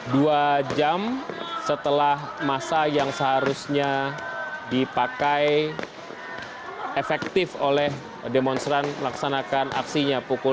dua jam setelah masa yang seharusnya dipakai efektif oleh demonstran melaksanakan aksinya pukul delapan belas